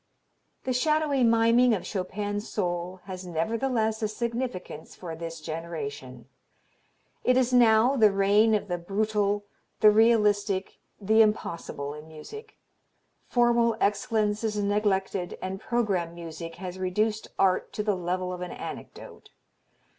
The shadowy miming of Chopin's soul has nevertheless a significance for this generation. It is now the reign of the brutal, the realistic, the impossible in music. Formal excellence is neglected and programme music has reduced art to the level of an anecdote.